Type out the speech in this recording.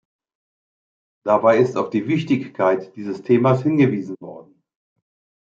Dabei ist auf die Wichtigkeit dieses Themas hingewiesen worden.